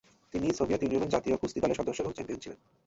তিনি সোভিয়েত ইউনিয়নের জাতীয় কুস্তি দলের সদস্য এবং চ্যাম্পিয়ন ছিলেন।